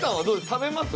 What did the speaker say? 食べます？